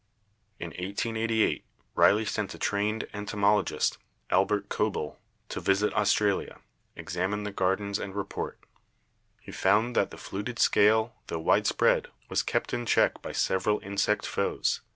"In 1888 Riley sent a trained entomologist, Albert Koebele, to visit Australia, examine the gardens and re port. He found that the fluted scale, tho widespread, was kept in check by several insect foes.